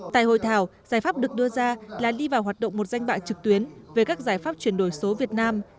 tại hội thảo giải pháp được đưa ra là đi vào hoạt động một danh bạ trực tuyến về các giải pháp chuyển đổi số việt nam